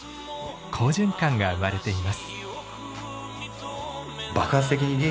好循環が生まれています。